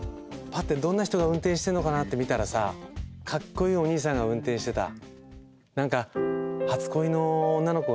パッてどんな人が運転してるのかな？って見たらさかっこいいおにいさんが運転してた。